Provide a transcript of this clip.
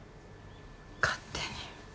勝手に。